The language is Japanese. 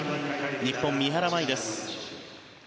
日本、三原舞依です。